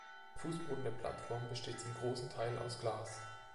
Der Fußboden der Plattform besteht zum großen Teil aus Glas.